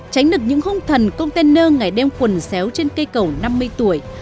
tránh được những hung thần container ngày đêm quần xéo trên cây cầu năm mươi tuổi